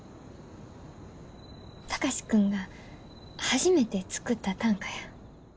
貴司君が、初めて作った短歌や。